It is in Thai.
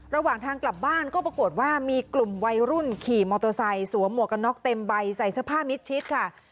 ระหว่างทางกลับบ้านก็ปรากฏว่ามีกลุ่มวัยรุ่นขี่มอโตซัยสวมหมวกนอกเต็มใบใส่สภาพมิดชิดค่ะ